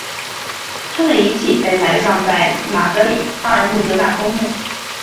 她的遗体被埋葬在马德里阿尔穆德纳公墓。